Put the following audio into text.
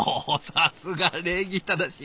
さすが礼儀正しい！